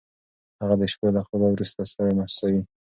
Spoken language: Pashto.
هغه د شپې له خوبه وروسته ستړی محسوسوي.